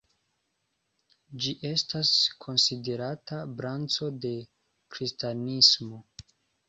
Ĝi estas konsiderata branĉo de kristanismo.